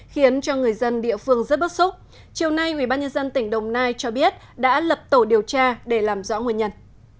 khiến cho người dân địa phương rất bức xúc chiều nay ubnd tỉnh đồng nai cho biết đã lập tổ điều tra để làm rõ nguyên nhân